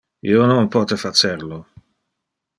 Io non pote facer lo.